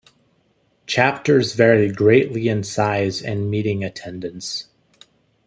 Chapters vary greatly in size and meeting attendance.